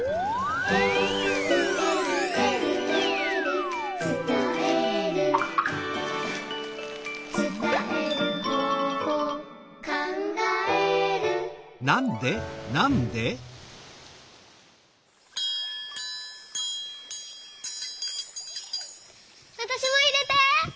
「えるえるえるえる」「つたえる」「つたえる方法」「かんがえる」わたしもいれて！